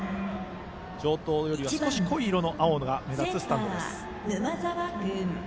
城東よりは少し濃い色の青が目立つスタンドです。